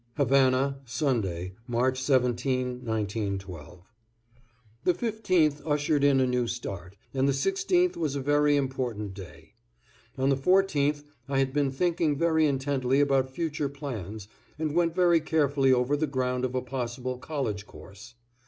=Havana, Sunday, March 17, 1912.= The 15th ushered in a new start, and the 16th was a very important day. On the 14th I had been thinking very intently about future plans and went very carefully over the ground of a possible college course.